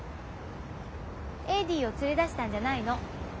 エディを連れ出したんじゃないの。